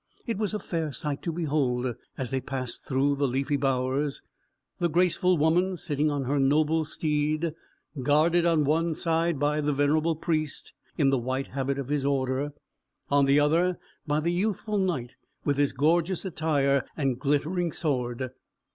It was a fair sight to behold, as they passed through the leafy bowers: the graceful woman sitting on her noble steed, guarded on one side by the venerable Priest in the white habit of his order; on the other, by the youthful Knight, with his gorgeous attire and glittering sword.